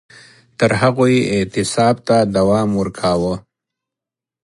تر هغو یې اعتصاب ته دوام ورکاوه